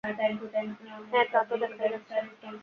হ্যাঁ, তা তো দেখাই যাচ্ছে।